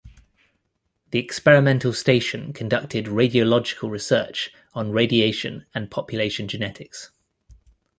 The experimental station conducted radiological research on radiation and population genetics.